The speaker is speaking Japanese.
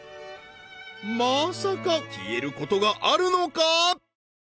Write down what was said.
まさか消えることがあるのか？